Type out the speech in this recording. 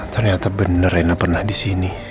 ternyata bener ena pernah di sini